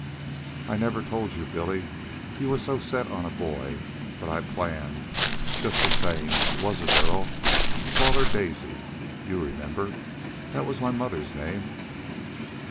"I never told you, Billy you were so set on a boy; but I planned, just the same, if it was a girl, to call her Daisy. You remember, that was my mother's name."